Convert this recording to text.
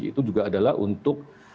itu juga adalah untuk